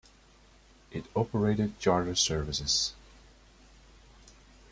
It operated charter services.